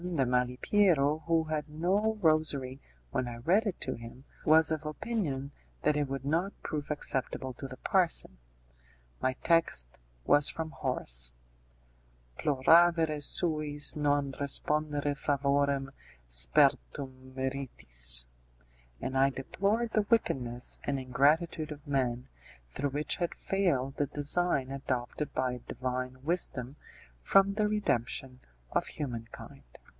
de Malipiero, who had no rosary when I read it to him, was of opinion that it would not prove acceptable to the parson. My text was from Horace: 'Ploravere suis non respondere favorem sperdtum meritis'; and I deplored the wickedness and ingratitude of men, through which had failed the design adopted by Divine wisdom for the redemption of humankind.